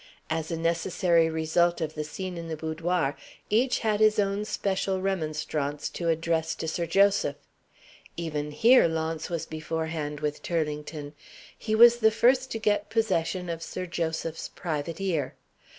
As a necessary result of the scene in the boudoir, each had his own special remonstrance to address to Sir Joseph. Even here, Launce was beforehand with Turlington. He was the first to get possession of Sir Joseph's private ear.